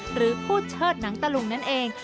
หรือผู้เชิดหนังตะลุงนั่นเอง